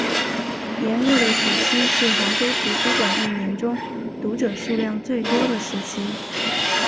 炎热的暑期是杭州图书馆一年中读者数量最多的时期。